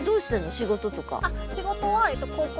仕事とか。